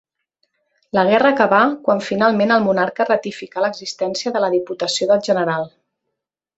La guerra acabà quan finalment el monarca ratificà l'existència de la Diputació del General.